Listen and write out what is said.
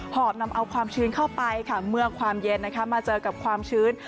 อบนำเอาความชื้นเข้าไปค่ะเมื่อความเย็นมาเจอกับความชื้น